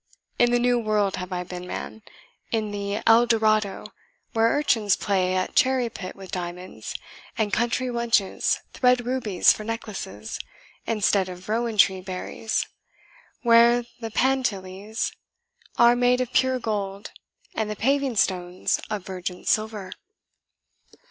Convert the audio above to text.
In the New World have I been, man in the Eldorado, where urchins play at cherry pit with diamonds, and country wenches thread rubies for necklaces, instead of rowan tree berries; where the pantiles are made of pure gold, and the paving stones of virgin silver."